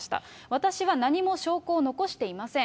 私は何も証拠を残していません。